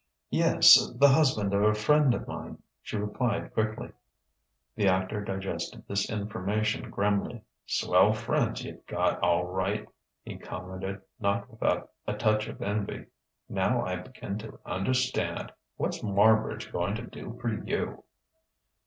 "Yes the husband of a friend of mine," she replied quickly. The actor digested this information grimly. "Swell friends you've got, all right!" he commented, not without a touch of envy. "Now I begin to understand.... What's Marbridge going to do for you?"